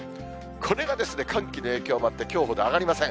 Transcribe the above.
これがですね、寒気の影響もあって、きょうほど上がりません。